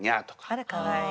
あらかわいい。